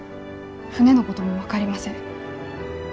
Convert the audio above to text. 船のことも分かりません。